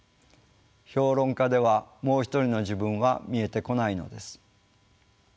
評論家では「もう一人の自分」は見えてこないのです。